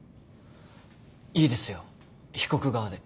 いいですよ被告側で。